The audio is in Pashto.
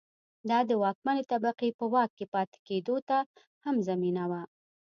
دا د واکمنې طبقې په واک کې پاتې کېدو ته هم زمینه وه.